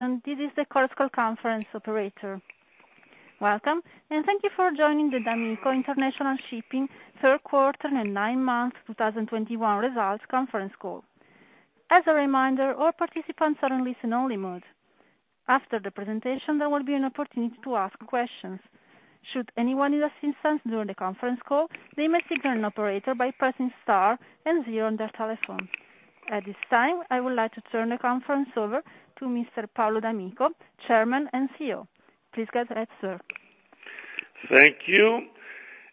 This is the Chorus Call conference operator. Welcome, and thank you for joining the d'Amico International Shipping third quarter and nine-month 2021 results conference call. As a reminder, all participants are in listen-only mode. After the presentation, there will be an opportunity to ask questions. Should anyone need assistance during the conference call, they may signal an operator by pressing star and zero on their telephone. At this time, I would like to turn the conference over to Mr. Paolo d'Amico, Chairman and CEO. Please go ahead, sir. Thank you,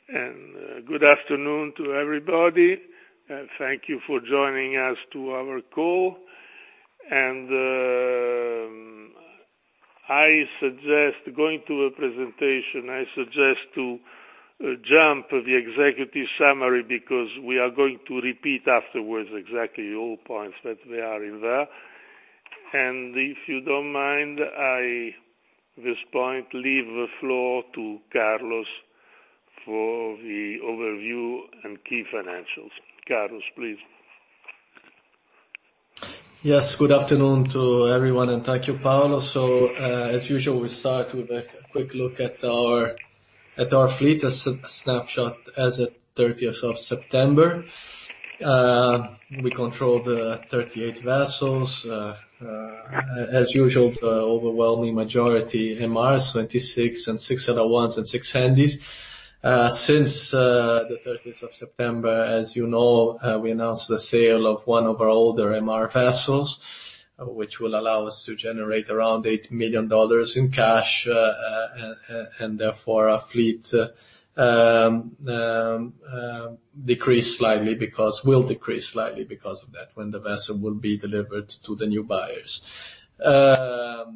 and good afternoon to everybody. Thank you for joining us on our call. I suggest going to the presentation. I suggest to jump the executive summary because we are going to repeat afterwards exactly all points that they are in there. If you don't mind, at this point, I leave the floor to Carlos for the overview and key financials. Carlos, please. Yes, good afternoon to everyone, and thank you, Paolo. As usual, we start with a quick look at our fleet, a snapshot as at 30th of September. We control 38 vessels. As usual, the overwhelming majority MRs, 26 and six other ones and six Handys. Since the 30th of September, as you know, we announced the sale of one of our older MR vessels, which will allow us to generate around $8 million in cash. Therefore our fleet will decrease slightly because of that, when the vessel will be delivered to the new buyers. The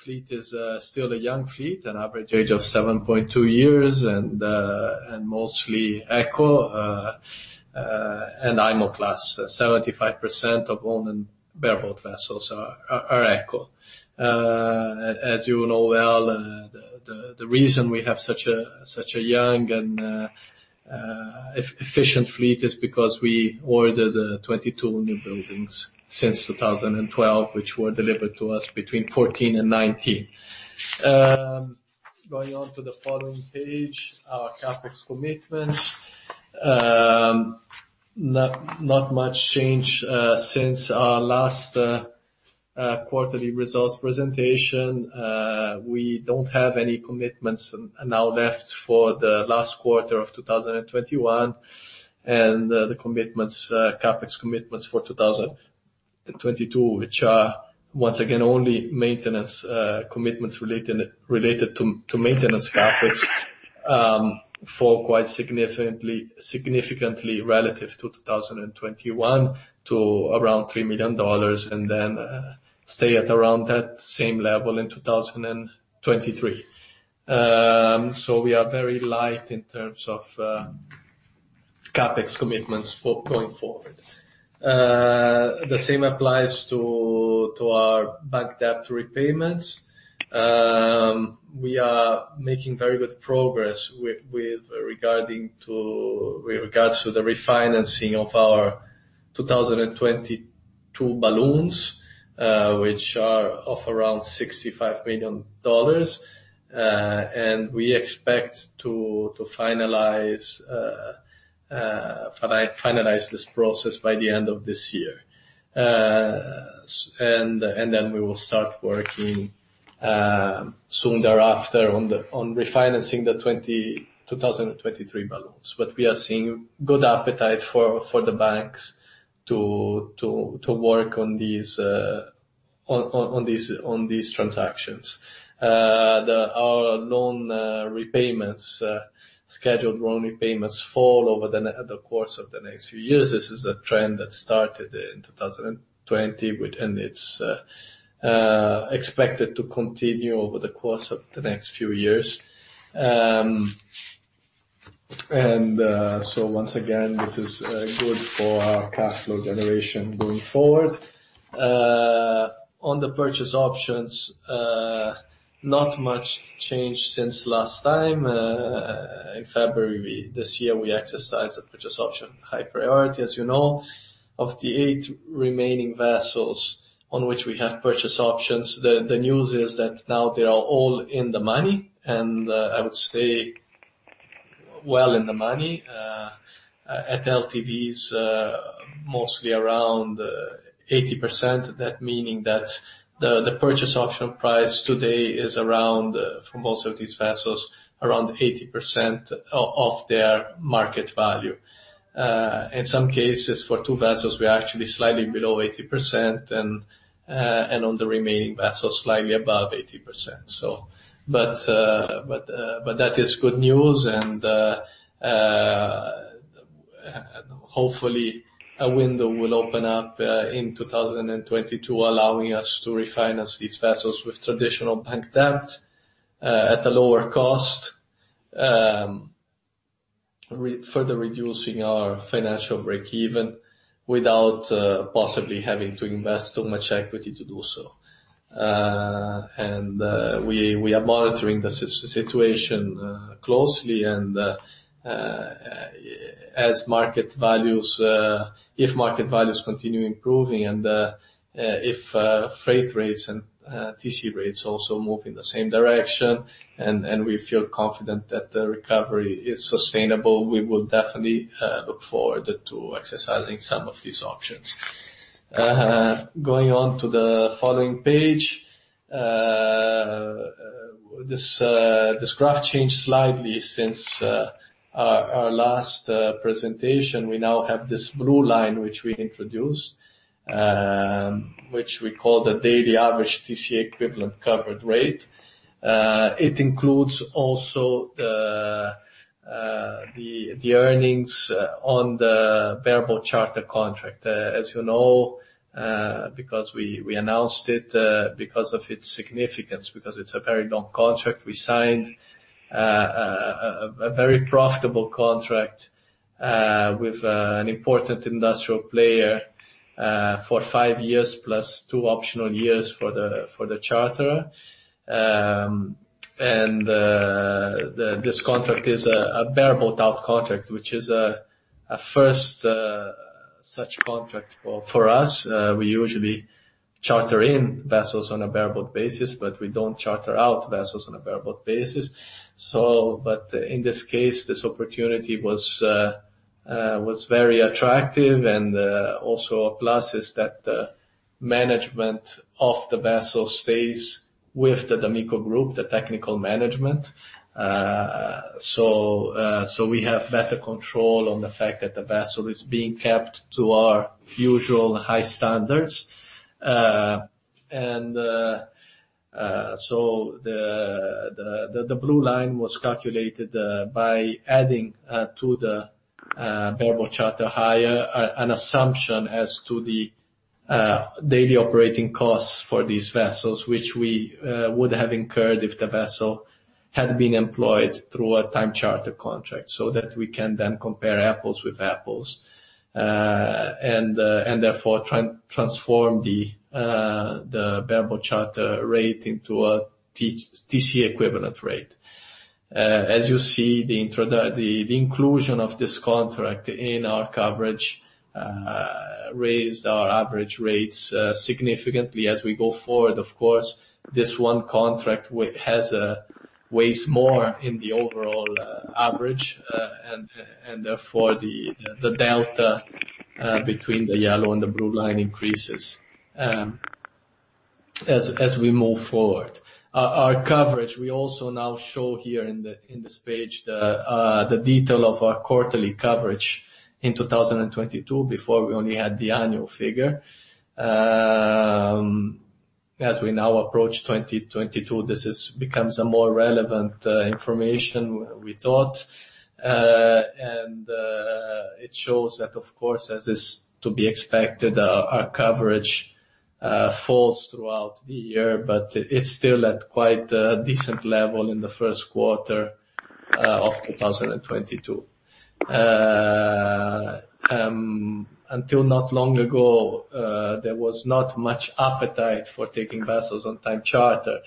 fleet is still a young fleet, an average age of 7.2 years, and mostly Eco and IMO class. 75% of owned and bareboat vessels are Eco. As you know well, the reason we have such a young and efficient fleet is because we ordered 22 new buildings since 2012, which were delivered to us between 2014 and 2019. Going on to the following page, our CapEx commitments. Not much change since our last quarterly results presentation. We don't have any commitments now left for the last quarter of 2021. The CapEx commitments for 2022, which are once again only maintenance commitments related to maintenance CapEx, fall quite significantly relative to 2021 to around $3 million, and then stay at around that same level in 2023. We are very light in terms of CapEx commitments going forward. The same applies to our bank debt repayments. We are making very good progress with regards to the refinancing of our 2022 balloons, which are of around $65 million. We expect to finalize this process by the end of this year. We will start working soon thereafter on refinancing the 2023 balloon. We are seeing good appetite for the banks to work on these transactions. Our scheduled loan repayments fall over the course of the next few years. This is a trend that started in 2020 and it's expected to continue over the course of the next few years. Once again, this is good for our cash flow generation going forward. On the purchase options, not much changed since last time. In February this year, we exercised the purchase option High Priority, as you know. Of the eight remaining vessels on which we have purchase options, the news is that now they are all in the money, and I would say well in the money at LTVs mostly around 80%. That meaning that the purchase option price today is around for most of these vessels around 80% of their market value. In some cases, for two vessels, we are actually slightly below 80%, and on the remaining vessels, slightly above 80%. But that is good news. Hopefully a window will open up in 2022, allowing us to refinance these vessels with traditional bank debt at a lower cost, further reducing our financial break-even without possibly having to invest too much equity to do so. We are monitoring the situation closely and as market values, if market values continue improving and if freight rates and TC rates also move in the same direction, and we feel confident that the recovery is sustainable, we will definitely look forward to exercising some of these options. Going on to the following page. This graph changed slightly since our last presentation. We now have this blue line which we introduced, which we call the daily average TC equivalent covered rate. It includes also the earnings on the bareboat charter contract. As you know, because we announced it, because of its significance, because it is a very long contract. We signed a very profitable contract with an important industrial player for five years, plus two optional years for the charter. This contract is a bareboat out contract, which is a first such contract for us. We usually charter-in vessels on a bareboat basis, but we don't charter-out vessels on a bareboat basis. In this case, this opportunity was very attractive. Also a plus is that the management of the vessel stays with the d'Amico Group, the technical management. We have better control on the fact that the vessel is being kept to our usual high standards. The blue line was calculated by adding to the bareboat charter hire an assumption as to the daily operating costs for these vessels, which we would have incurred if the vessel had been employed through a time charter contract, so that we can then compare apples with apples and therefore transform the bareboat charter rate into a TC equivalent rate. As you see, the inclusion of this contract in our coverage raised our average rates significantly. As we go forward, of course, this one contract weighs more in the overall average. Therefore, the delta between the yellow and the blue line increases as we move forward. Our coverage, we also now show here in this page the detail of our quarterly coverage in 2022. Before we only had the annual figure. As we now approach 2022, this becomes a more relevant information we thought. It shows that, of course, as is to be expected, our coverage falls throughout the year, but it's still at quite a decent level in the first quarter of 2022. Until not long ago, there was not much appetite for taking vessels on time charter,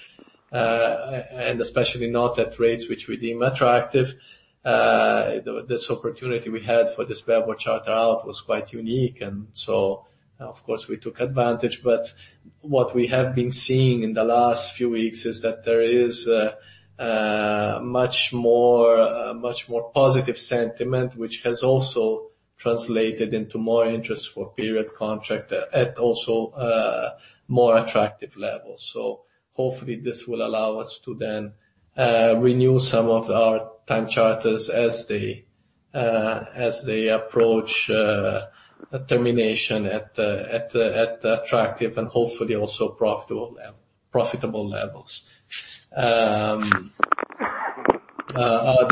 and especially not at rates which we deem attractive. This opportunity we had for this bareboat charter out was quite unique. Of course, we took advantage. What we have been seeing in the last few weeks is that there is much more positive sentiment, which has also translated into more interest for period contract at also more attractive levels. Hopefully, this will allow us to then renew some of our time charters as they approach termination at attractive and hopefully also profitable levels. The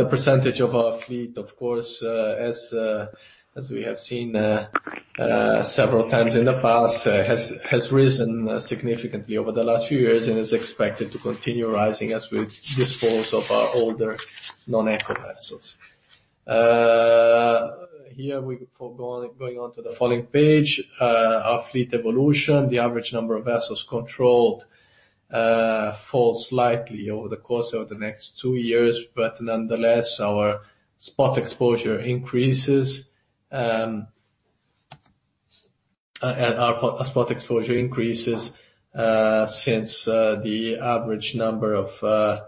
percentage of our fleet, of course, as we have seen several times in the past, has risen significantly over the last few years and is expected to continue rising as we dispose of our older non-Eco vessels. Here we go on to the following page. Our fleet evolution. The average number of vessels controlled falls slightly over the course of the next two years, but nonetheless, our spot exposure increases. Our spot exposure increases since the average number of vessels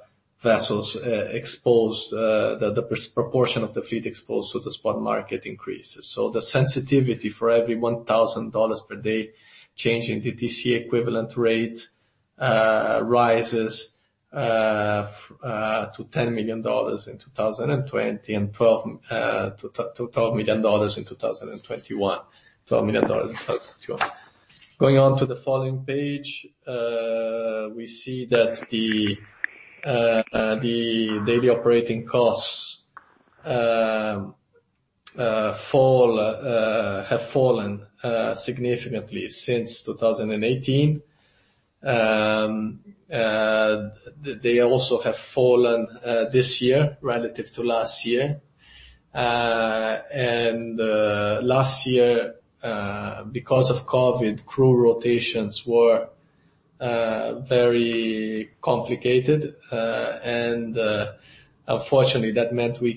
exposed, the proportion of the fleet exposed to the spot market increases. The sensitivity for every $1,000 per day change in the TC equivalent rate rises to $10 million in 2020, and $12 million in 2021. Going on to the following page. We see that the daily operating costs have fallen significantly since 2018. They also have fallen this year relative to last year. Last year, because of COVID, crew rotations were very complicated. Unfortunately, that meant we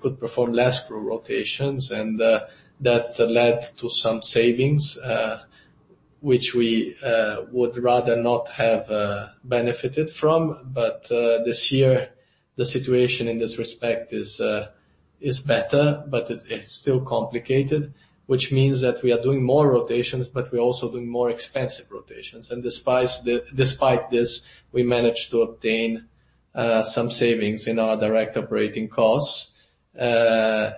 could perform less crew rotations, and that led to some savings, which we would rather not have benefited from. This year, the situation in this respect is better, but it's still complicated, which means that we are doing more rotations, but we're also doing more expensive rotations. Despite this, we managed to obtain some savings in our direct operating costs. Furthermore,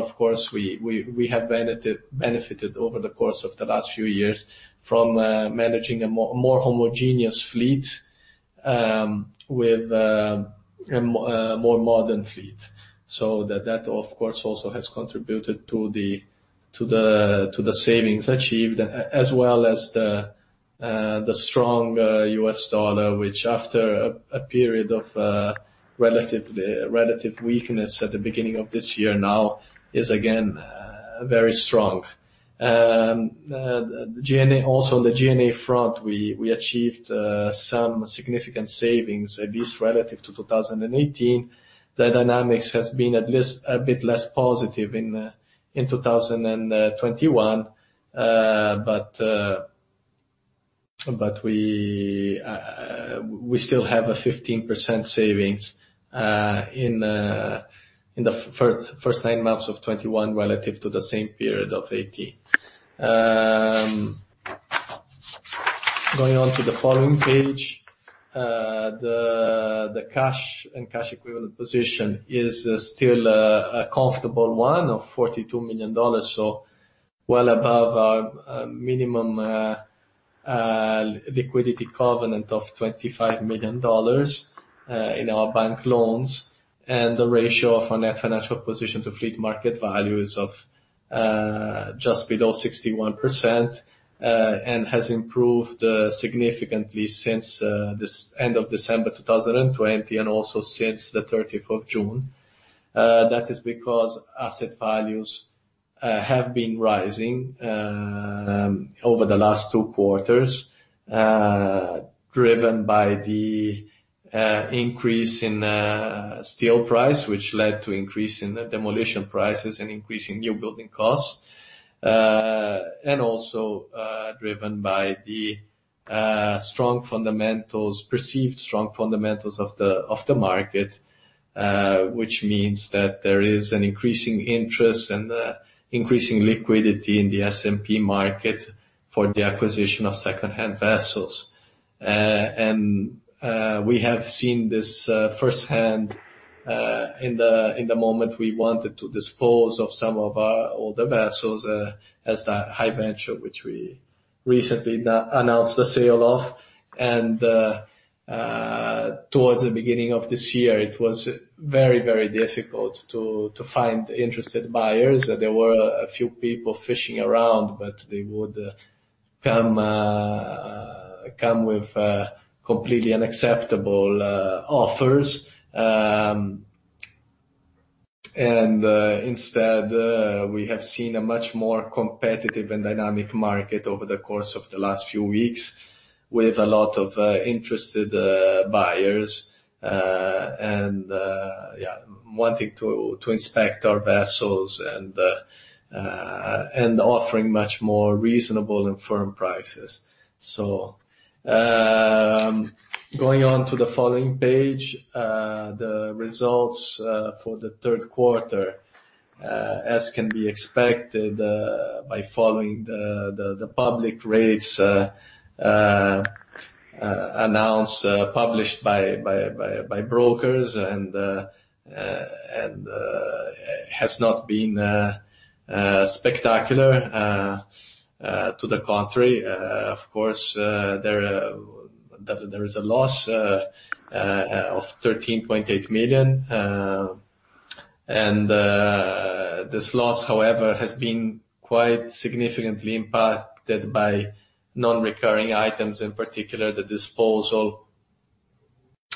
of course, we have benefited over the course of the last few years from managing a more homogeneous fleet with a more modern fleet. That of course also has contributed to the savings achieved as well as the strong U.S. dollar, which after a period of relative weakness at the beginning of this year, now is again very strong. On the G&A front, we achieved some significant savings, at least relative to 2018. The dynamics has been at least a bit less positive in 2021. But we still have a 15% savings in the first nine months of 2021 relative to the same period of 2018. Going on to the following page. The cash and cash equivalent position is still a comfortable one of $42 million. Well above our minimum liquidity covenant of $25 million in our bank loans. The ratio of our net financial position to fleet market value is just below 61% and has improved significantly since the end of December 2020, and also since the 30th of June. That is because asset values have been rising over the last two quarters, driven by the increase in steel price, which led to increase in demolition prices and increase in new building costs, and also driven by the strong, perceived fundamentals of the market, which means that there is an increasing interest and increasing liquidity in the S&P market for the acquisition of secondhand vessels. We have seen this firsthand in the moment we wanted to dispose of some of our older vessels, as the High Venture which we recently announced the sale of. Towards the beginning of this year, it was very, very difficult to find interested buyers. There were a few people fishing around, but they would come with completely unacceptable offers. Instead, we have seen a much more competitive and dynamic market over the course of the last few weeks with a lot of interested buyers wanting to inspect our vessels and offering much more reasonable and firm prices. Going on to the following page, the results for the third quarter as can be expected by following the public rates announced and published by brokers, and has not been spectacular, to the contrary. Of course, there is a loss of $13.8 million. This loss, however, has been quite significantly impacted by non-recurring items, in particular, the disposal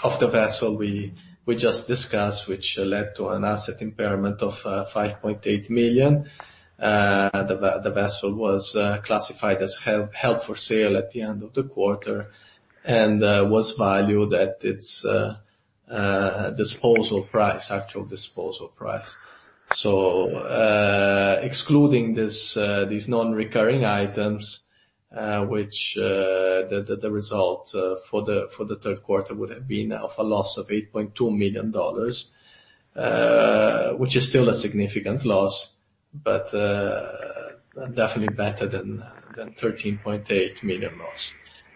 of the vessel we just discussed, which led to an asset impairment of $5.8 million. The vessel was classified as held for sale at the end of the quarter and was valued at its disposal price, actual disposal price. Excluding these non-recurring items, which, the result for the third quarter would have been of a loss of $8.2 million, which is still a significant loss, but definitely better than $13.8 million loss.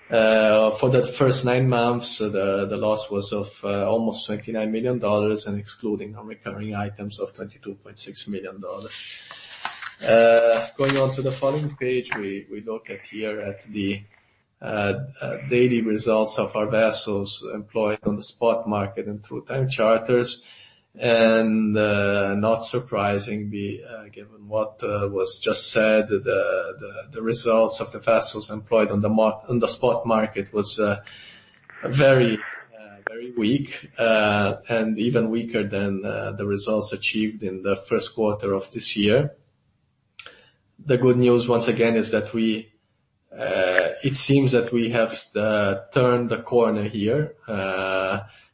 For the first nine months, the loss was of almost $29 million and excluding non-recurring items of $22.6 million. Going on to the following page, we look here at the daily results of our vessels employed on the spot market and through time charters. Not surprisingly, given what was just said, the results of the vessels employed on the spot market was very very weak, and even weaker than the results achieved in the first quarter of this year. The good news, once again, is that it seems that we have turned the corner here.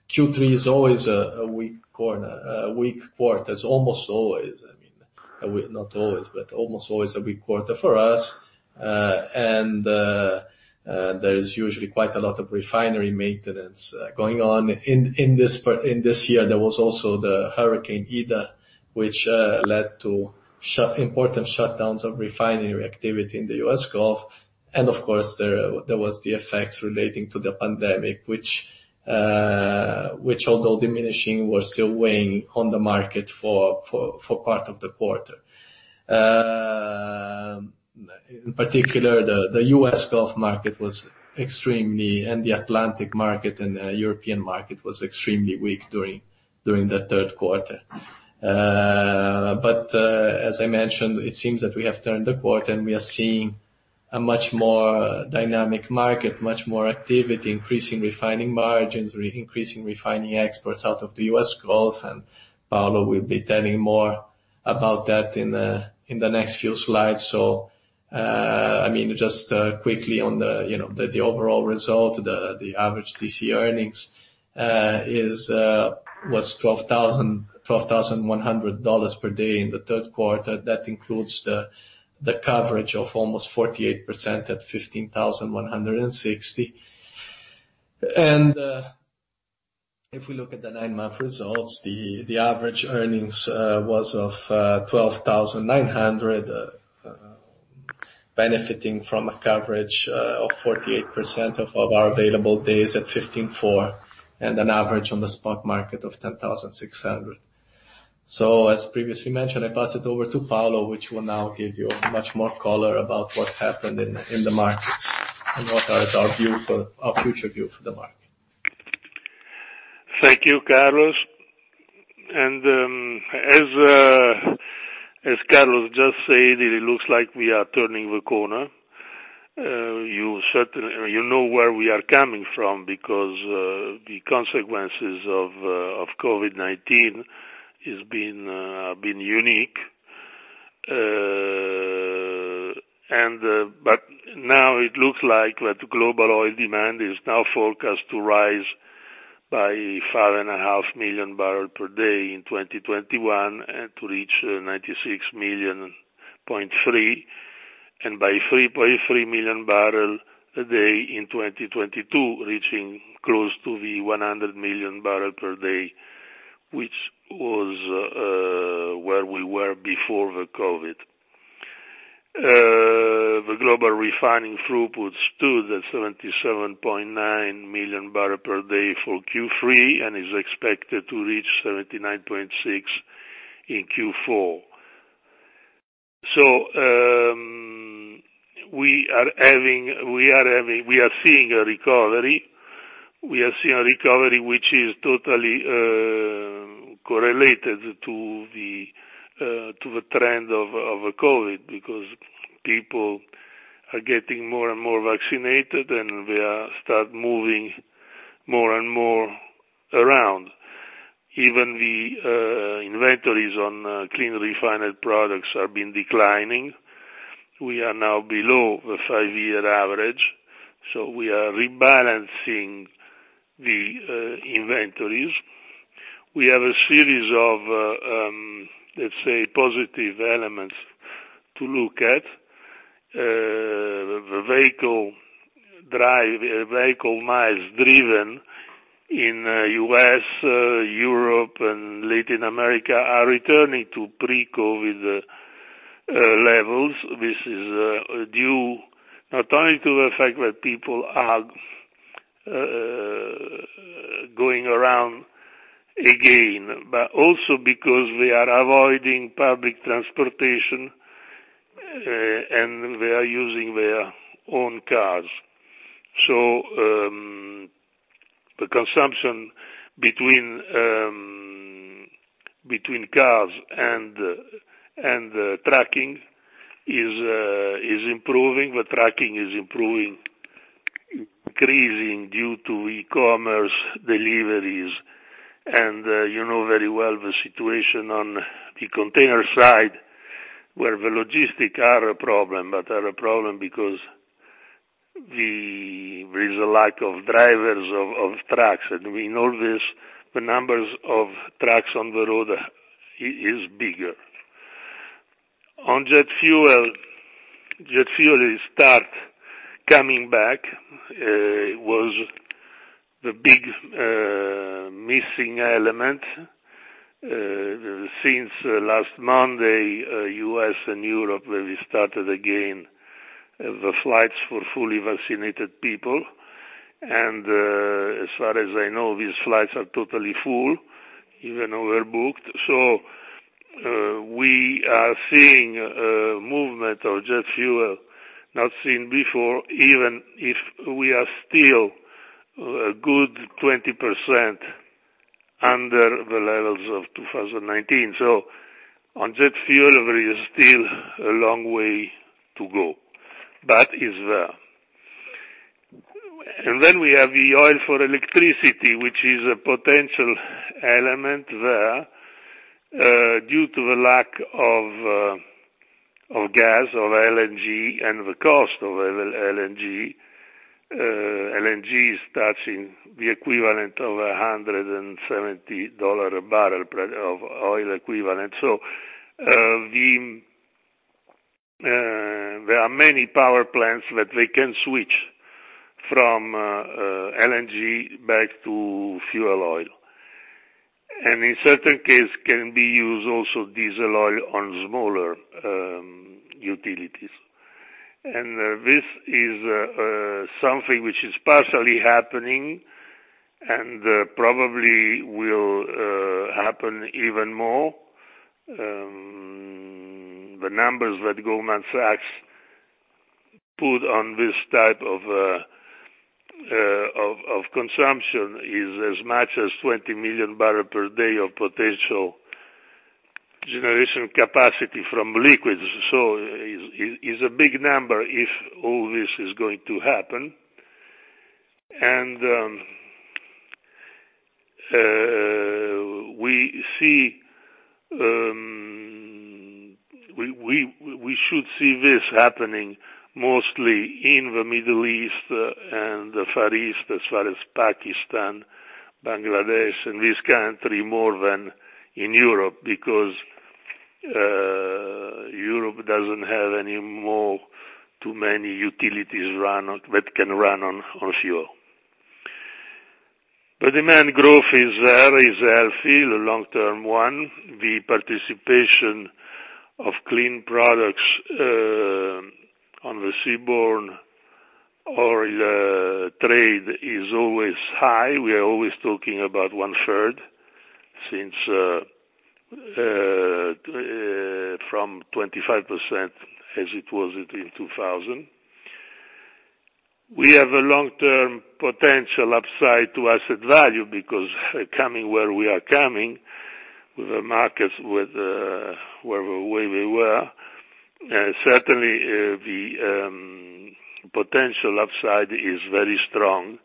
Q3 is always a weak quarter. It's almost always, I mean, not always, but almost always a weak quarter for us. There is usually quite a lot of refinery maintenance going on. In this year, there was also the Hurricane Ida, which led to important shutdowns of refinery activity in the U.S. Gulf. Of course, there was the effects relating to the pandemic, which although diminishing, was still weighing on the market for part of the quarter. In particular, the U.S. Gulf market, the Atlantic market, and European market was extremely weak during the third quarter. As I mentioned, it seems that we have turned the corner, and we are seeing a much more dynamic market, much more activity, increasing refining margins, increasing refining exports out of the U.S. Gulf. Paolo will be telling more about that in the next few slides. I mean, just quickly on the, you know, the overall result. The average TC earnings was $12,100 per day in the third quarter. That includes the coverage of almost 48% at $15,160. If we look at the nine-month results, the average earnings was $12,900, benefiting from a coverage of 48% of our available days at $15,400, and an average on the spot market of $10,600. As previously mentioned, I pass it over to Paolo, which will now give you much more color about what happened in the markets and our future view for the market. Thank you, Carlos. As Carlos just said, it looks like we are turning the corner. You certainly you know where we are coming from because the consequences of COVID-19 has been unique. Now it looks like that global oil demand is now forecast to rise by 5.5 MMbpd in 2021, and to reach 96.3 MMbpd, and by 3.3 MMbpd in 2022, reaching close to the 100 MMbpd, which was where we were before the COVID. The global refining throughput stood at 77.9 MMbpd for Q3 and is expected to reach 79.6 MMbpd in Q4. We are seeing a recovery. We are seeing a recovery which is totally correlated to the trend of COVID because people are getting more and more vaccinated, and they are start moving more and more around. Even the inventories on clean refined products have been declining. We are now below the five-year average, so we are rebalancing the inventories. We have a series of, let's say, positive elements to look at. The vehicle miles driven in U.S., Europe and Latin America are returning to pre-COVID levels. This is due not only to the fact that people are going around again, but also because they are avoiding public transportation and they are using their own cars. The consumption between cars and trucking is improving. The trucking is improving, increasing due to e-commerce deliveries. You know very well the situation on the container side, where the logistics are a problem, but are a problem because there is a lack of drivers of trucks. We know this, the numbers of trucks on the road is bigger. On jet fuel, jet fuel is starting coming back. It was the big missing element. Since last Monday, U.S. and Europe really started again the flights for fully-vaccinated people. As far as I know, these flights are totally full, even overbooked. We are seeing a movement of jet fuel not seen before, even if we are still a good 20% under the levels of 2019. On jet fuel, there is still a long way to go, but it is there. We have the oil for electricity, which is a potential element there, due to the lack of gas, of LNG and the cost of LNG. LNG is touching the equivalent of $170/bbl of oil equivalent. There are many power plants that they can switch from LNG back to fuel oil, and in certain case can be used also diesel oil on smaller utilities. This is something which is partially happening and probably will happen even more. The numbers that Goldman Sachs put on this type of consumption is as much as 20 MMbpd of potential generation capacity from liquids. It is a big number if all this is going to happen. We see... We should see this happening mostly in the Middle East and the Far East, as well as Pakistan, Bangladesh and this country more than in Europe, because Europe doesn't have any more too many utilities run on fuel. The demand growth is healthy, the long-term one. The participation of clean products on the seaborne trade is always high. We are always talking about 1/3 since from 25% as it was in 2000. We have a long-term potential upside to asset value because of where we are coming from with the markets, where we were. Certainly, the potential upside is very strong.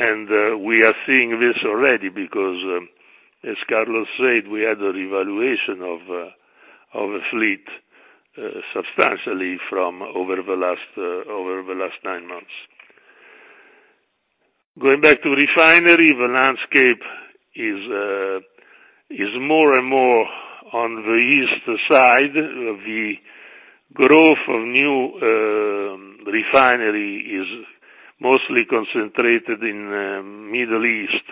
We are seeing this already because, as Carlos said, we had a revaluation of a fleet substantially over the last nine months. Going back to refining, the landscape is more and more on the east side. The growth of new refinery is mostly concentrated in Middle East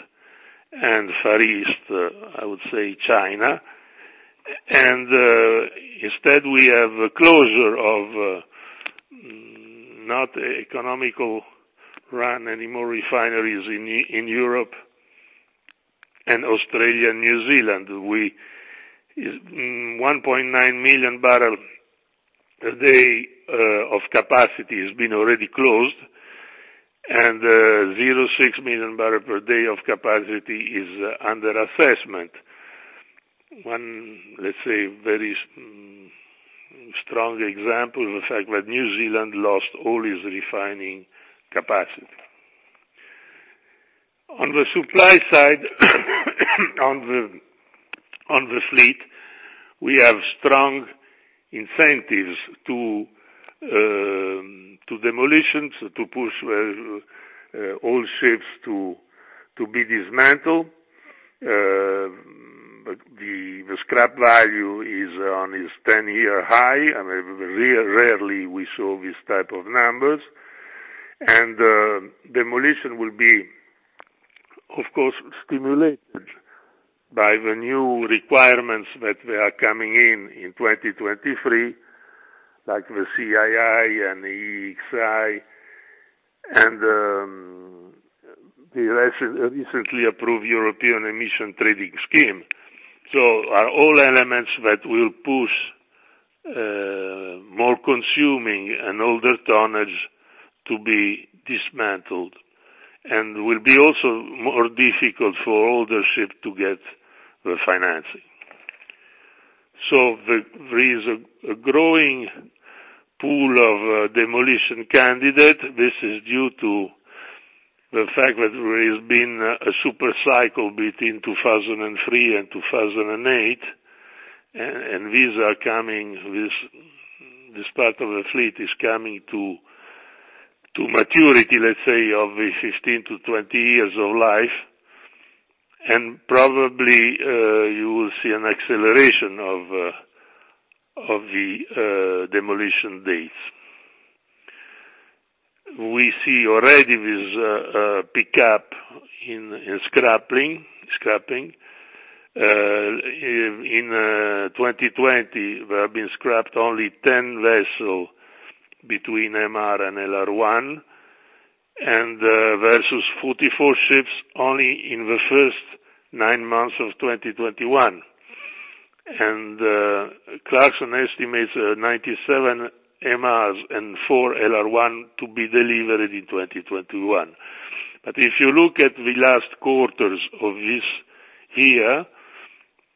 and Far East, I would say China. Instead we have a closure of not economical run anymore refineries in Europe and Australia and New Zealand. Which is 1.9 MMbpd of capacity has been already closed, and 0.6 MMbpd of capacity is under assessment. Let's say very strong example, the fact that New Zealand lost all its refining capacity. On the supply side of the fleet, we have strong incentives to demolition, to push old ships to be dismantled. But the scrap value is on its 10-year high, and very rarely we saw this type of numbers. Demolition will be, of course, stimulated by the new requirements that are coming in 2023, like the CII and the EEXI, and the recently approved European Emissions Trading Scheme. These are all elements that will push more consuming and older tonnage to be dismantled, and it will be also more difficult for older ships to get the financing. There is a growing pool of demolition candidates. This is due to the fact that there's been a super cycle between 2003 and 2008. These are coming. This part of the fleet is coming to maturity, let's say, of 15-20 years of life. Probably you will see an acceleration of the demolition dates. We see already this pickup in scrapping. In 2020, there have been scrapped only 10 vessels between MR and LR1 versus 44 ships only in the first nine months of 2021. Clarksons estimates 97 MRs and four LR1 to be delivered in 2021. If you look at the last quarters of this here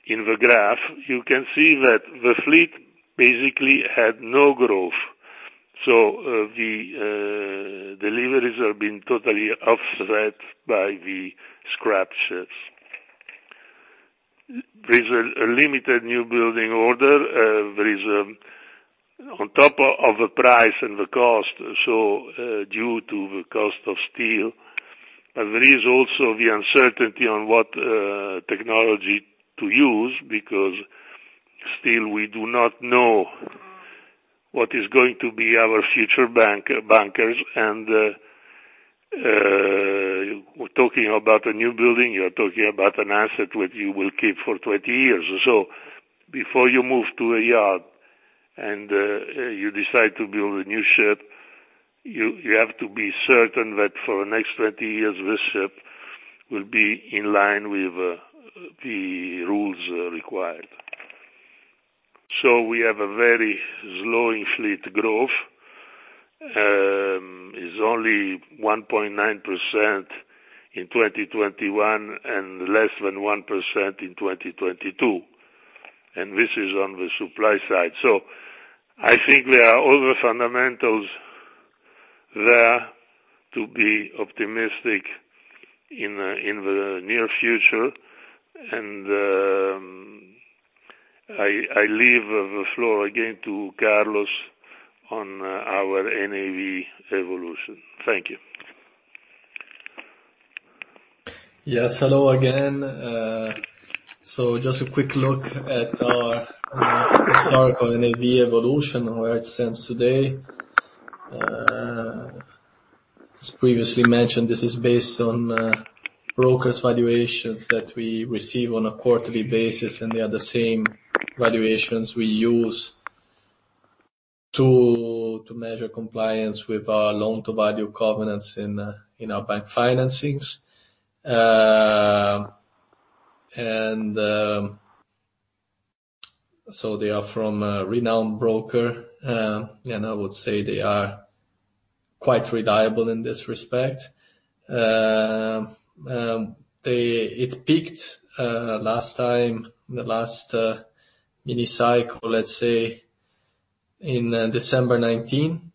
in the graph, you can see that the fleet basically had no growth. The deliveries have been totally offset by the scrap ships. There's a limited new building order. There is on top of the price and the cost due to the cost of steel, but there is also the uncertainty on what technology to use because still we do not know what is going to be our future bunkers and we're talking about a new building, you are talking about an asset which you will keep for 20 years. Before you move to a yard and you decide to build a new ship, you have to be certain that for the next 20 years, this ship will be in line with the rules required. We have a very slowing fleet growth. It's only 1.9% in 2021 and less than 1% in 2022, and this is on the supply side. I think there are all the fundamentals there to be optimistic in the near future. I leave the floor again to Carlos on our NAV evolution. Thank you. Yes. Hello again. Just a quick look at our historical NAV evolution and where it stands today. As previously mentioned, this is based on brokers' valuations that we receive on a quarterly basis, and they are the same valuations we use to measure compliance with our loan-to-value covenants in our bank financings. They are from a renowned broker, and I would say they are quite reliable in this respect. It peaked last time, in the last mini cycle, let's say, in December 2019,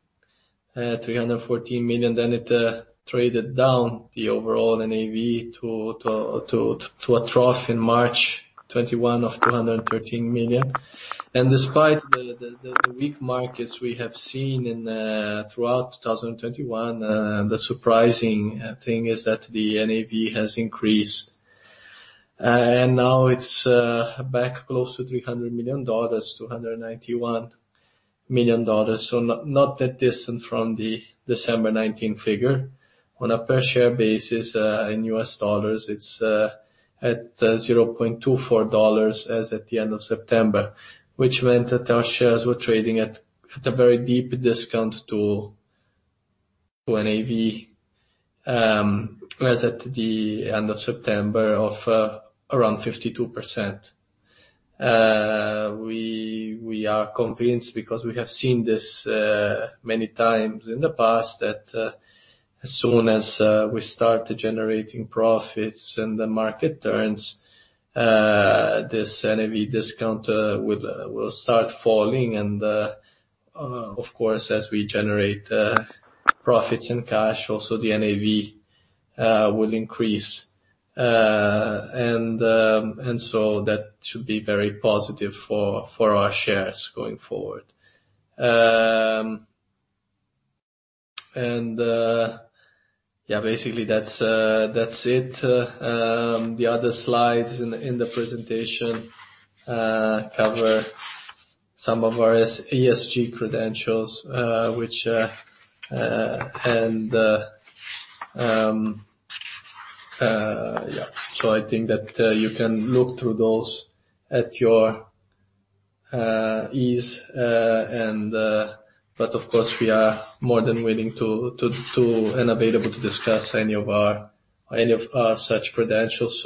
$314 million. Then it traded down the overall NAV to a trough in March 2021 of $213 million. Despite the weak markets we have seen throughout 2021, the surprising thing is that the NAV has increased. Now it's back close to $300 million, that's $291 million. Not that distant from the December 2019 figure. On a per share basis, in U.S. dollars, it's at $0.24 as at the end of September, which meant that our shares were trading at a very deep discount to NAV as at the end of September of around 52%. We are convinced because we have seen this many times in the past that as soon as we start generating profits and the market turns this NAV discount will start falling and of course as we generate profits and cash also the NAV will increase. That should be very positive for our shares going forward. Basically that's it. The other slides in the presentation cover some of our ESG credentials which you can look through those at your ease and but of course we are more than willing to and available to discuss any of our such credentials.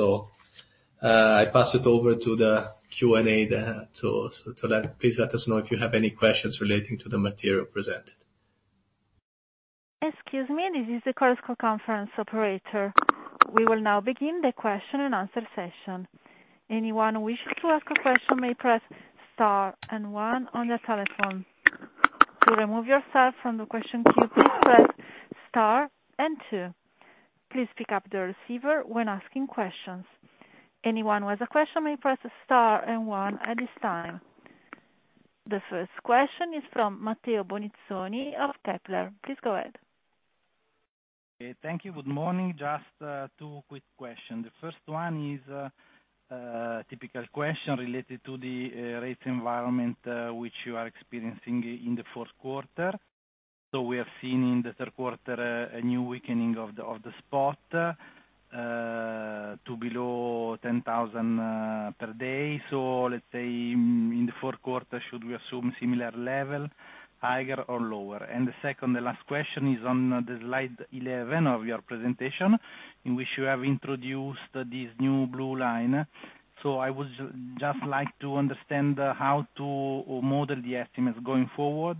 I pass it over to the Q&A there. Please let us know if you have any questions relating to the material presented. Excuse me. This is the Chorus Call conference operator. We will now begin the question-and-answer session. Anyone who wishes to ask a question may press star and one on their telephone. To remove yourself from the question queue, please press star and two. Please pick up the receiver when asking questions. Anyone who has a question may press star and one at this time. The first question is from Matteo Bonizzoni of Kepler. Please go ahead. Okay. Thank you. Good morning. Just two quick questions. The first one is a typical question related to the rate environment which you are experiencing in the fourth quarter. We have seen in the third quarter a new weakening of the spot to below 10,000 per day. Let's say for the fourth quarter, should we assume similar level, higher or lower? The second and last question is on the slide 11 of your presentation, in which you have introduced this new blue line. I would just like to understand how to model the estimates going forward.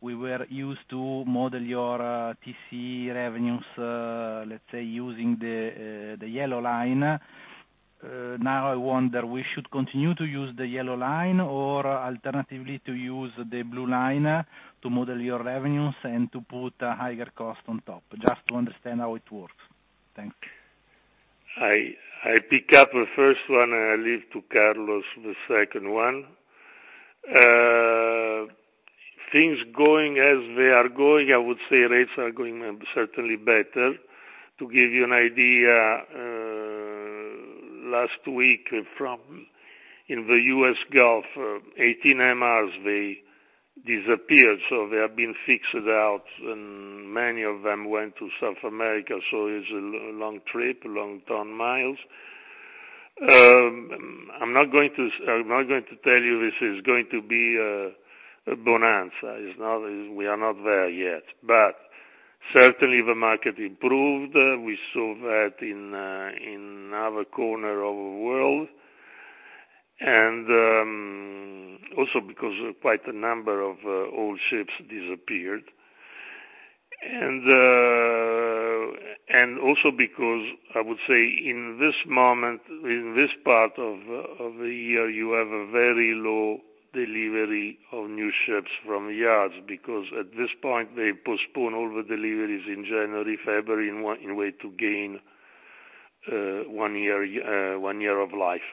We were used to model your TC revenues, let's say, using the yellow line. Now I wonder, we should continue to use the yellow line or alternatively to use the blue line to model your revenues and to put a higher cost on top. Just to understand how it works. Thanks. I pick up the first one, and I leave to Carlos, the second one. Things going as they are going, I would say rates are going certainly better. To give you an idea, last week from in the U.S. Gulf, 18 MRs, they disappeared, so they have been fixed out, and many of them went to South America. It's a long trip, long ton miles. I'm not going to tell you this is going to be a bonanza. It's not. We are not there yet. Certainly the market improved. We saw that in in another corner of the world. Also because quite a number of old ships disappeared. Also because I would say in this moment, in this part of the year, you have a very low delivery of new ships from yards, because at this point, they postpone all the deliveries in January, February, in a way to gain one year of life.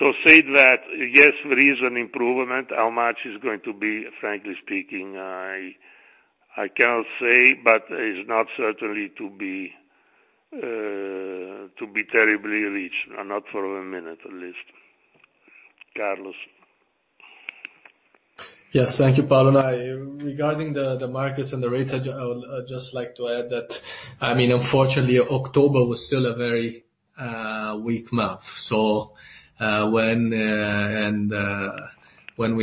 With that said, yes, there is an improvement. How much it's going to be, frankly speaking, I cannot say, but it's not certain to be terribly rich. Not for a minute, at least. Carlos? Yes. Thank you, Paolo. Regarding the markets and the rates, I would just like to add that, I mean, unfortunately, October was still a very weak month. So, when we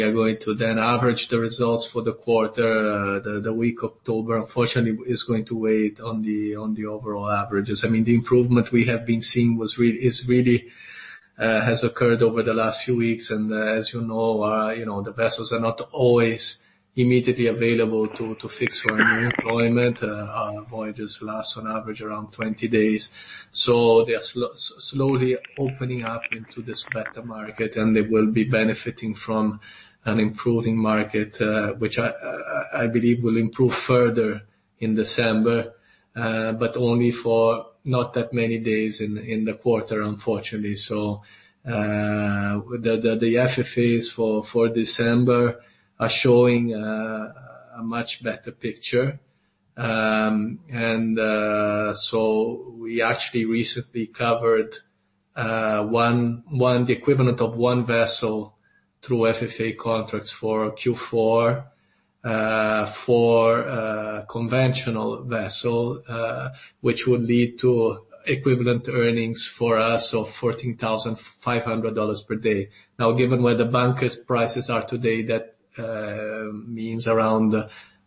are going to then average the results for the quarter, the weak October, unfortunately, is going to weigh on the overall averages. I mean, the improvement we have been seeing is really has occurred over the last few weeks. As you know, you know, the vessels are not always immediately available to fix for a new employment. Our voyages last on average around 20 days. They are slowly opening up into this better market, and they will be benefiting from an improving market, which I believe will improve further in December, but only for not that many days in the quarter, unfortunately. The FFAs for December are showing a much better picture. We actually recently covered the equivalent of one vessel through FFA contracts for Q4, for a conventional vessel, which would lead to equivalent earnings for us of $14,500 per day. Now, given where the bunker prices are today, that means around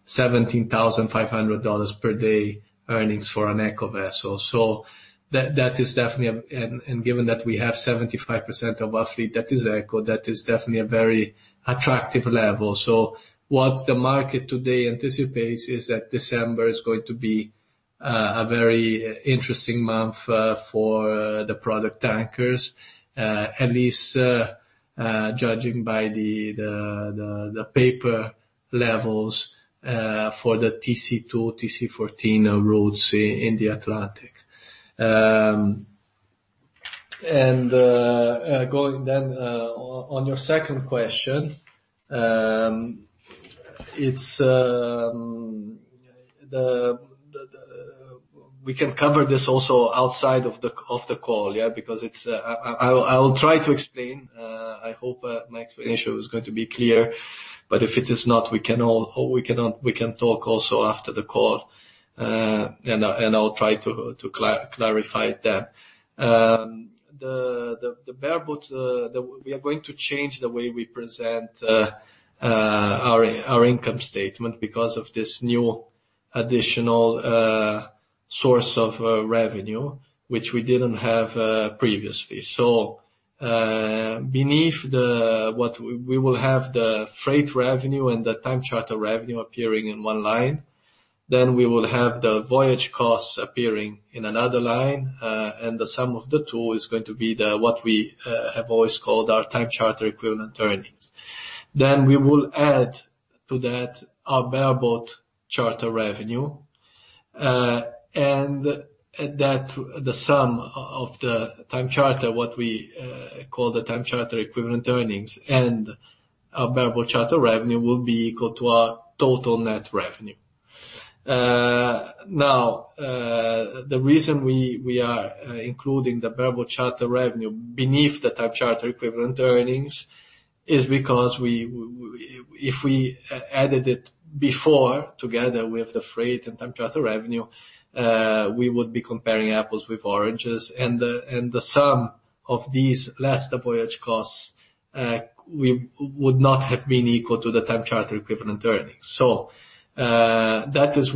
$17,500 per day earnings for an Eco vessel. That is definitely a... Given that we have 75% of our fleet that is Eco, that is definitely a very attractive level. What the market today anticipates is that December is going to be a very interesting month for the product tankers, at least judging by the paper levels for the TC2, TC14 routes in the Atlantic. Going then on your second question, we can cover this also outside of the call, yeah. Because I will try to explain. I hope my explanation is going to be clear, but if it is not, we can talk also after the call, and I'll try to clarify that. We are going to change the way we present our income statement because of this new additional source of revenue, which we didn't have previously. Beneath that, we will have the freight revenue and the time charter revenue appearing in one line. Then we will have the voyage costs appearing in another line. The sum of the two is going to be what we have always called our time charter equivalent earnings. Then we will add to that our bareboat charter revenue. The sum of the time charter equivalent earnings and our bareboat charter revenue will be equal to our total net revenue. Now, the reason we are including the bareboat charter revenue beneath the time charter equivalent earnings is because if we added it before, together with the freight and time charter revenue, we would be comparing apples with oranges. The sum of these, less the voyage costs, would not have been equal to the time charter equivalent earnings. That is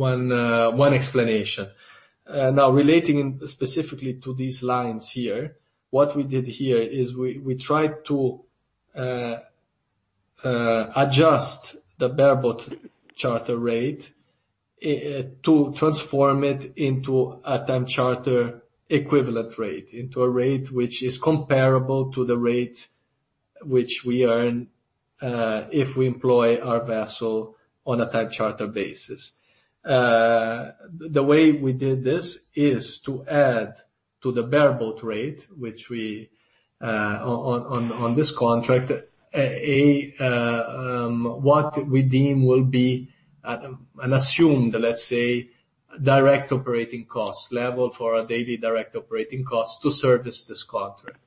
one explanation. Now relating specifically to these lines here, what we did here is we tried to adjust the bareboat charter rate to transform it into a time charter equivalent rate, into a rate which is comparable to the rate which we earn if we employ our vessel on a time charter basis. The way we did this is to add to the bareboat rate what we deem will be an assumed, let's say, direct operating cost level for our daily direct operating costs to service this contract.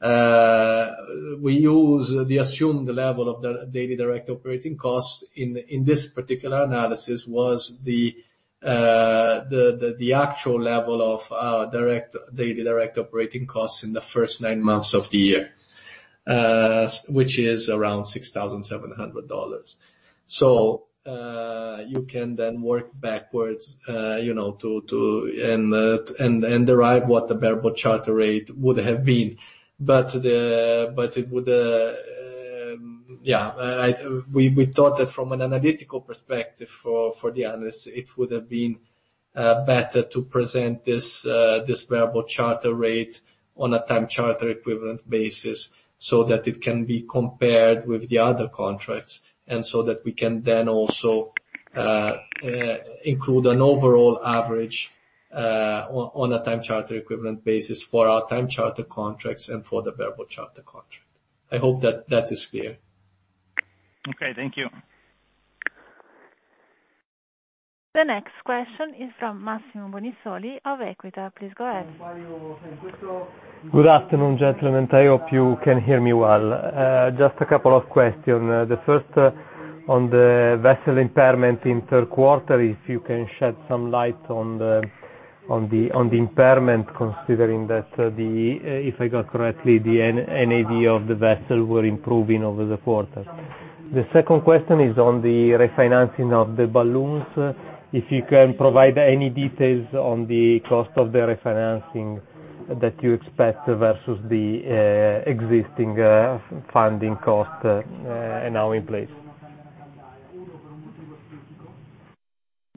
We use the assumed level of the daily direct operating costs in this particular analysis was the actual level of daily direct operating costs in the first nine months of the year, which is around $6,700. You can then work backwards, you know, to derive what the bareboat charter rate would have been. We thought that from an analytical perspective for the analysts, it would have been better to present this bareboat charter rate on a time charter equivalent basis so that it can be compared with the other contracts, and so that we can then also include an overall average on a time charter equivalent basis for our time charter contracts and for the bareboat charter contract. I hope that is clear. Okay. Thank you. The next question is from Massimo Bonisoli of Equita. Please go ahead. Good afternoon, gentlemen. I hope you can hear me well. Just a couple of questions. The first on the vessel impairment in third quarter, if you can shed some light on the impairment, considering that if I got correctly, the net NAV of the vessel were improving over the quarter. The second question is on the refinancing of the balloons. If you can provide any details on the cost of the refinancing that you expect versus the existing funding cost now in place.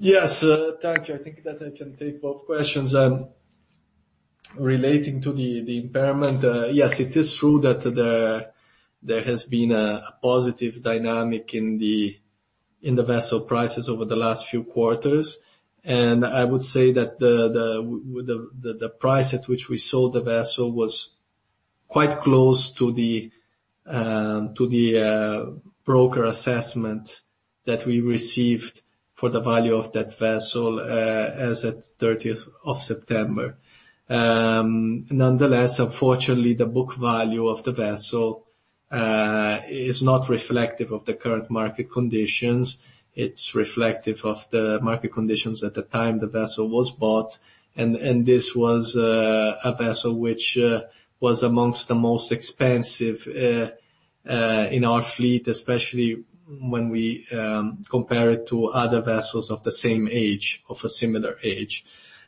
Yes, thank you. I think that I can take both questions. Relating to the impairment, yes, it is true that there has been a positive dynamic in the vessel prices over the last few quarters. I would say that the price at which we sold the vessel was quite close to the broker assessment that we received for the value of that vessel, as at 13th of September. Nonetheless, unfortunately, the book value of the vessel is not reflective of the current market conditions. It's reflective of the market conditions at the time the vessel was bought. This was a vessel which was amongst the most expensive in our fleet, especially when we compare it to other vessels of the same age, of a similar age.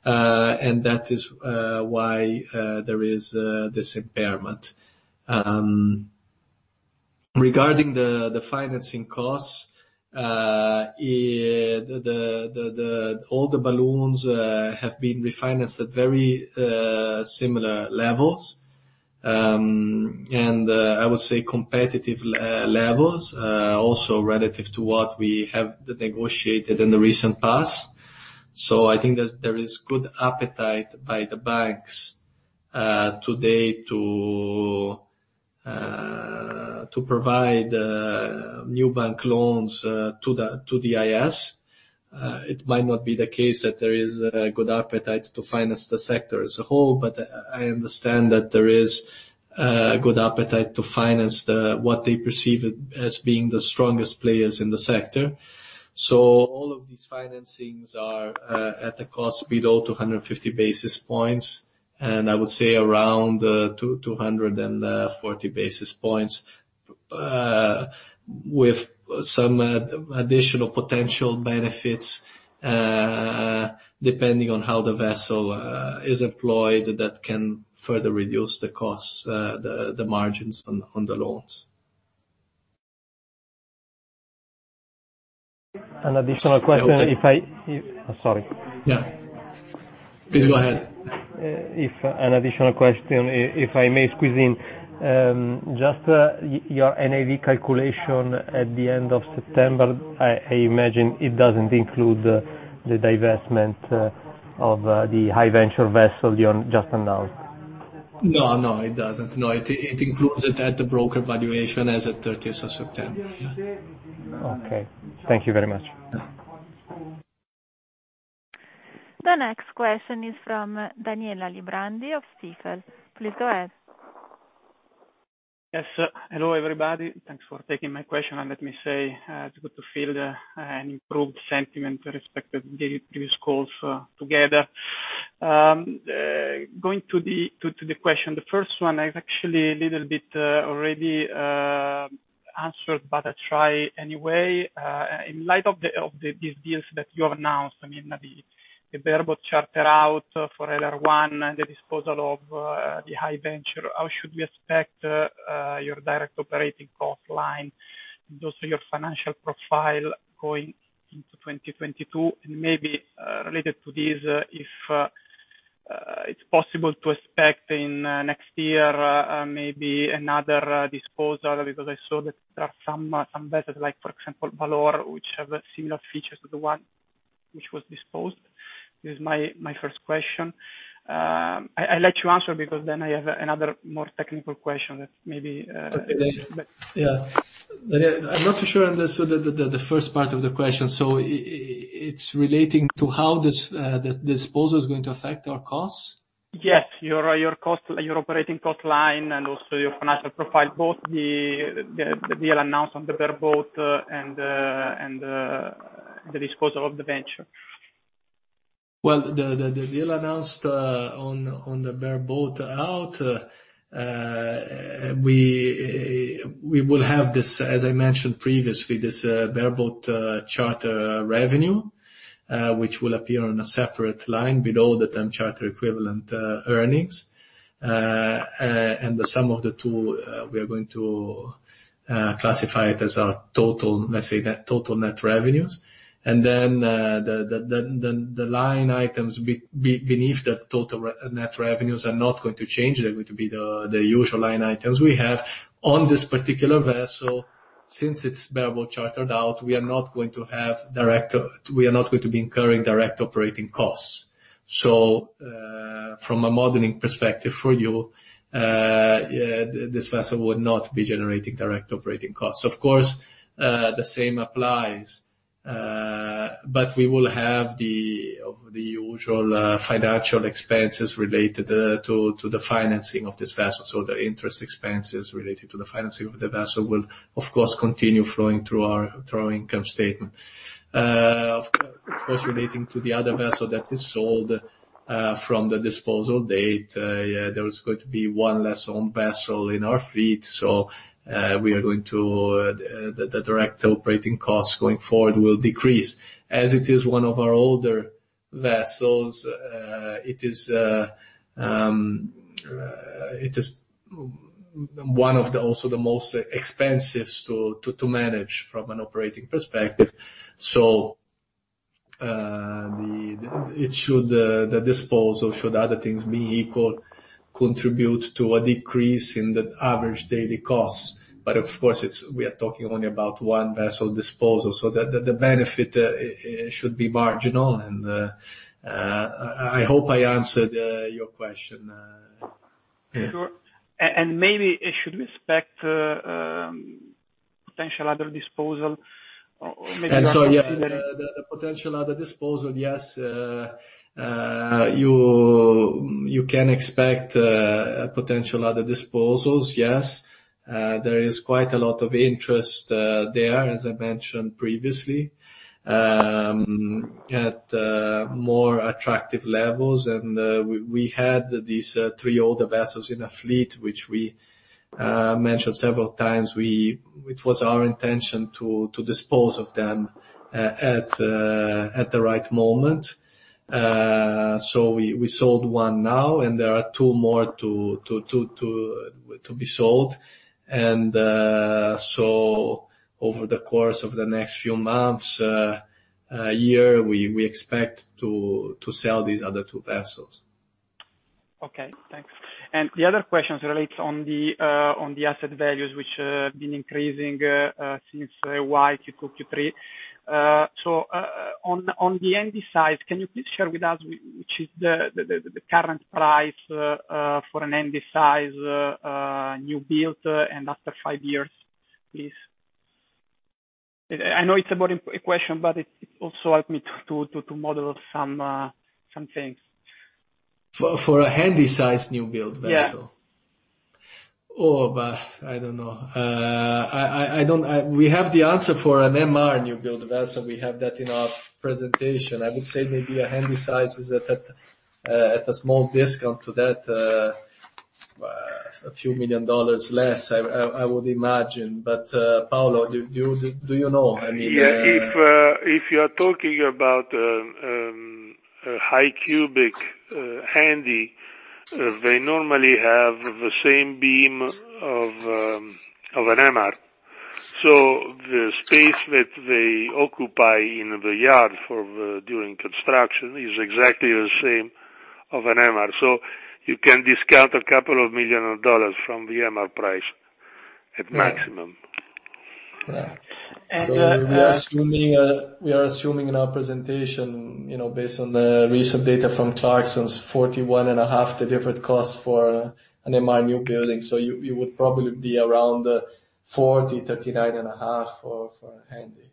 That is why there is this impairment. Regarding the financing costs, all the balloons have been refinanced at very similar levels. I would say competitive levels also relative to what we have negotiated in the recent past. I think that there is good appetite by the banks today to provide new bank loans to the IS. It might not be the case that there is a good appetite to finance the sector as a whole, but I understand that there is good appetite to finance what they perceive as being the strongest players in the sector. All of these financings are at a cost below 250 basis points, and I would say around 240 basis points with some additional potential benefits depending on how the vessel is employed, that can further reduce the costs, the margins on the loans. An additional question if I... Yeah. Oh, sorry. Yeah. Please go ahead. If I may squeeze in an additional question. Just your NAV calculation at the end of September, I imagine it doesn't include the divestment of the High Venture vessel you just announced? No, it doesn't. No. It includes it at the broker valuation as at 13th of September. Yeah. Okay. Thank you very much. The next question is from Daniele Alibrandi of Stifel. Please go ahead. Yes. Hello, everybody. Thanks for taking my question. Let me say, it's good to feel an improved sentiment with respect to the previous calls, together. Going to the question. The first one is actually a little bit already answered, but I try anyway. In light of these deals that you have announced, I mean, the bareboat charter out for LR1 and the disposal of the High Venture, how should we expect your direct operating cost line, and also your financial profile going into 2022? Maybe related to this, if it's possible to expect in next year maybe another disposal, because I saw that there are some vessels like for example High Valor, which have similar features to the one which was disposed. This is my first question. I let you answer because then I have another more technical question that maybe... Okay. Yeah. I'm not too sure I understood the first part of the question. It's relating to how this this disposal is going to affect our costs? Yes. Your cost, your operating cost line and also your financial profile, both the deal announced on the bareboat and the disposal of the High Venture. The deal announced on the bareboat out, we will have this, as I mentioned previously, this bareboat charter revenue, which will appear on a separate line below the Time Charter Equivalent earnings. The sum of the two, we are going to classify it as our total, let's say, net total net revenues. The line items beneath the total net revenues are not going to change. They're going to be the usual line items we have. On this particular vessel, since it's bareboat chartered out, we are not going to be incurring direct operating costs. From a modeling perspective for you, this vessel would not be generating direct operating costs. Of course, the same applies, but we will have the usual financial expenses related to the financing of this vessel. The interest expenses related to the financing of the vessel will of course continue flowing through our income statement. Of course, relating to the other vessel that is sold, from the disposal date, there is going to be one less owned vessel in our fleet. The direct operating costs going forward will decrease. As it is one of our older vessels, it is also one of the most expensive to manage from an operating perspective. The disposal should other things being equal contribute to a decrease in the average daily costs. Of course, we are talking only about one vessel disposal, so the benefit should be marginal. I hope I answered your question. Yeah. Sure. Maybe should we expect potential other disposal? Or maybe... Yeah. The potential other disposal, yes. You can expect potential other disposals. Yes. There is quite a lot of interest there, as I mentioned previously, at more attractive levels. We had these three older vessels in our fleet, which we mentioned several times. It was our intention to dispose of them at the right moment. We sold one now, and there are two more to be sold. Over the course of the next few months, a year, we expect to sell these other two vessels. Okay, thanks. The other questions relates to the asset values which been increasing since 2021-2023. On the Handysize, can you please share with us which is the current price for a Handysize new build and after five years, please? I know it's a boring question, but it also help me to model some things. For a Handysize new build vessel? Yeah. Oh, I don't know. We have the answer for an MR new build vessel. We have that in our presentation. I would say maybe a Handysize is at a small discount to that, a few million dollars less, I would imagine. Paolo, do you know? I mean... Yeah. If you are talking about a high-cubic Handy, they normally have the same beam as an MR. The space that they occupy in the yard during construction is exactly the same as an MR. You can discount a couple of millions of dollars from the MR price at maximum. Yeah. We are assuming in our presentation, you know, based on the recent data from Clarksons, $41.5 million, the different costs for an MR new building. You would probably be around $40 million-$39.5 million for a Handy.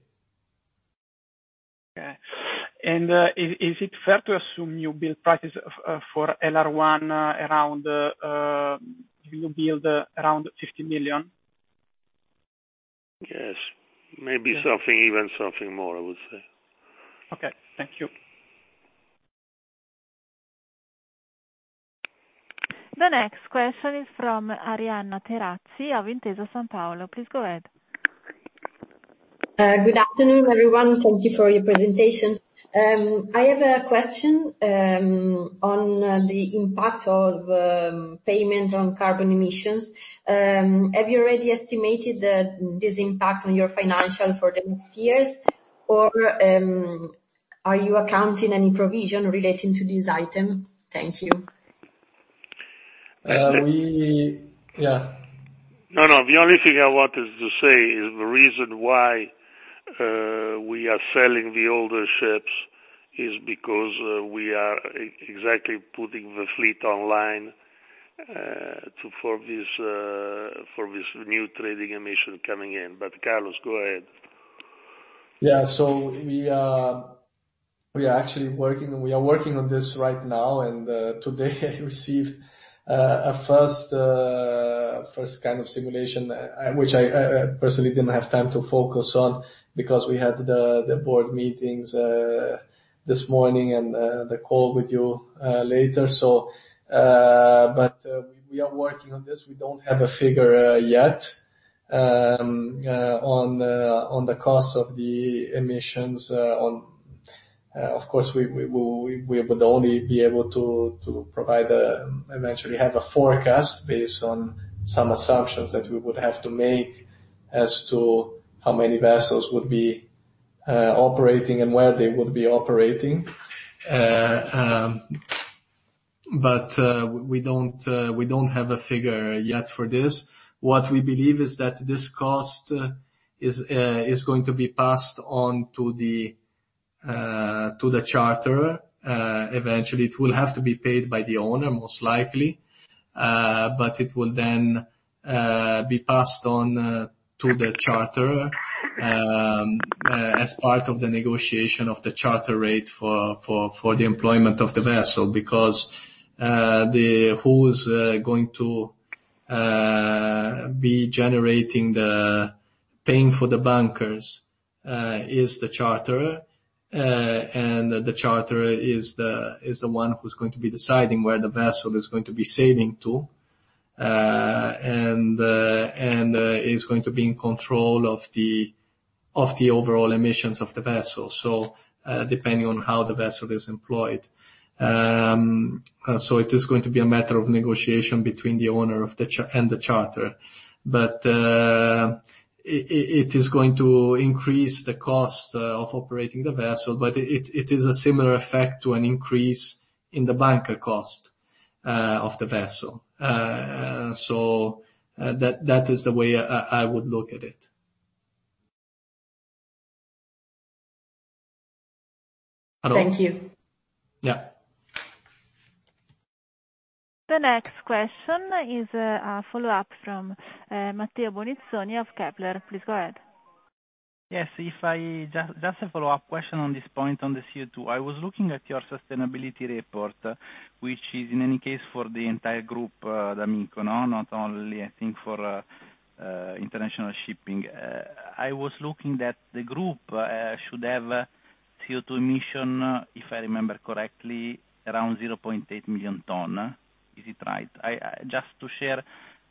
Okay. Is it fair to assume you build prices for LR1 around $50 million? Yes. Maybe something even more, I would say. Okay. Thank you. The next question is from Arianna Terazzi of Intesa Sanpaolo. Please go ahead. Good afternoon, everyone. Thank you for your presentation. I have a question on the impact of payment on carbon emissions. Have you already estimated this impact on your financials for the next years, or are you accounting any provision relating to this item? Thank you. No. The only thing I want to say is the reason why we are selling the older ships is because we are exactly putting the fleet online to for this new emission trading coming in. Carlos, go ahead. We are actually working on this right now. Today I received a first kind of simulation which I personally didn't have time to focus on because we had the board meetings this morning and the call with you later. We are working on this. We don't have a figure yet on the cost of the emissions. Of course, we would only be able to eventually have a forecast based on some assumptions that we would have to make as to how many vessels would be operating and where they would be operating. We don't have a figure yet for this. What we believe is that this cost is going to be passed on to the charterer. Eventually it will have to be paid by the owner, most likely. It will then be passed on to the charterer as part of the negotiation of the charter rate for the employment of the vessel. Because the one who is going to be paying for the bunkers is the charterer. The charterer is the one who's going to be deciding where the vessel is going to be sailing to, and is going to be in control of the overall emissions of the vessel. Depending on how the vessel is employed. It is going to be a matter of negotiation between the owner and the charterer. It is going to increase the cost of operating the vessel, but it is a similar effect to an increase in the bunker cost of the vessel. That is the way I would look at it. Thank you. Yeah. The next question is a follow-up from Matteo Bonizzoni of Kepler. Please go ahead. Yes, just a follow-up question on this point on the CO2. I was looking at your sustainability report, which is in any case for the entire group, d'Amico, no, not only I think for International Shipping. I was looking that the group should have CO2 emission, if I remember correctly, around 0.8 million ton. Is it right? Just to share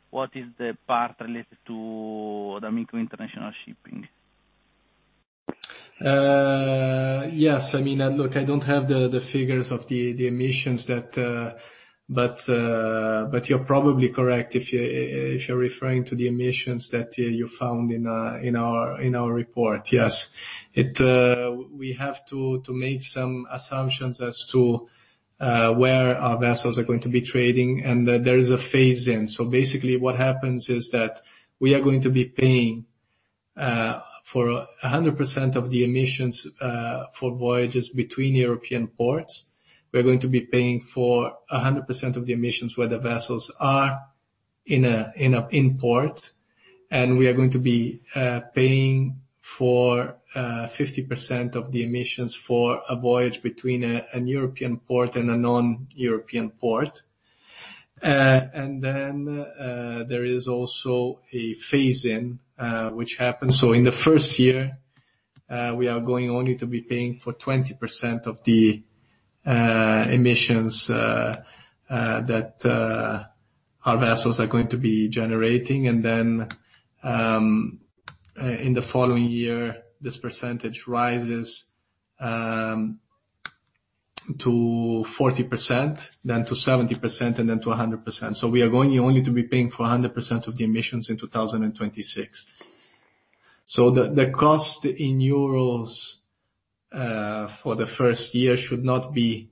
what is the part related to d'Amico International Shipping. Yes. I mean, look, I don't have the figures of the emissions. You're probably correct if you're referring to the emissions that you found in our report. Yes. We have to make some assumptions as to where our vessels are going to be trading, and there is a phase in. Basically what happens is that we are going to be paying for 100% of the emissions for voyages between European ports. We are going to be paying for 100% of the emissions where the vessels are in port. We are going to be paying for 50% of the emissions for a voyage between a European port and a non-European port. There is also a phase-in which happens. In the first year, we are going only to be paying for 20% of the emissions that our vessels are going to be generating. In the following year, this percentage rises to 40%, then to 70%, and then to 100%. We are going only to be paying for 100% of the emissions in 2026. The cost in euros for the first year, which is 2023, should not be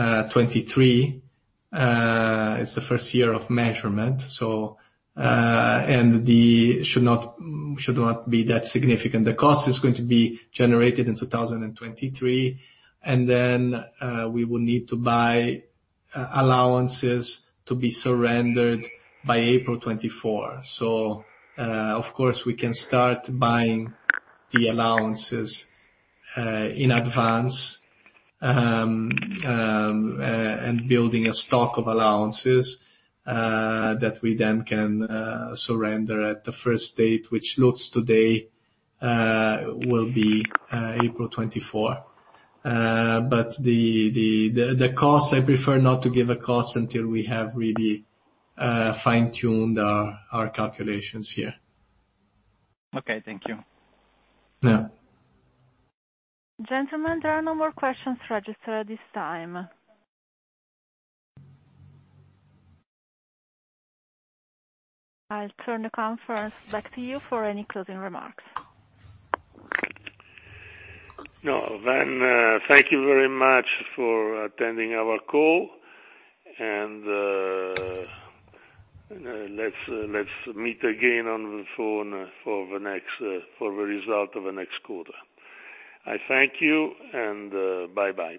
that significant. It's the first year of measurement. The cost is going to be generated in 2023, and then we will need to buy allowances to be surrendered by April 2024. Of course, we can start buying the allowances in advance and building a stock of allowances that we then can surrender at the first date, which looks today will be April 2024. The cost, I prefer not to give a cost until we have really fine-tuned our calculations here. Okay. Thank you. Yeah. Gentlemen, there are no more questions registered at this time. I'll turn the conference back to you for any closing remarks. No. Thank you very much for attending our call, and let's meet again on the phone for the result of the next quarter. I thank you, and bye-bye.